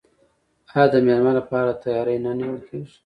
آیا د میلمه لپاره تیاری نه نیول کیږي؟